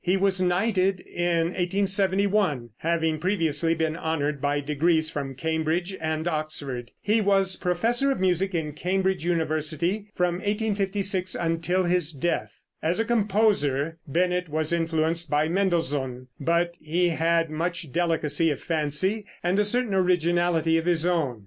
He was knighted in 1871, having previously been honored by degrees from Cambridge and Oxford. He was professor of music in Cambridge University from 1856 until his death. As a composer Bennett was influenced by Mendelssohn, but he had much delicacy of fancy and a certain originality of his own.